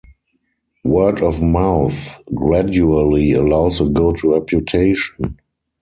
Word of mouth gradually allows a good reputation.